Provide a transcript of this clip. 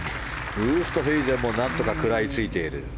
ウーストヘイゼンもなんとか食らいついている。